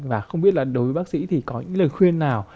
và không biết là đối với bác sĩ thì có những lời khuyên nào